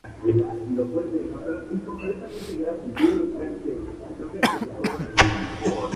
Hoy en día Poissy es la sexta ciudad más poblada de Yvelines.